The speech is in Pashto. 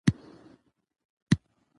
اداري کړنه باید له اړتیا زیاته نه وي.